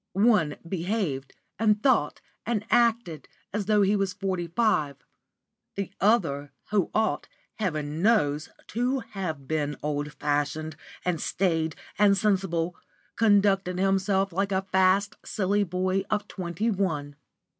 One behaved, and thought, and acted as though he was forty five; the other, who ought, heaven knows, to have been old fashioned, and staid, and sensible, conducted himself like a fast, silly boy of twenty one.